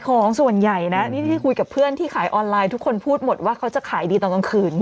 ของส่วนใหญ่นะนี่ที่คุยกับเพื่อนที่ขายออนไลน์ทุกคนพูดหมดว่าเขาจะขายดีตอนกลางคืน